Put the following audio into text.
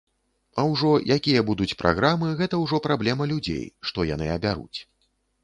А ўжо якія будуць праграмы, гэта ўжо праблема людзей, што яны абяруць.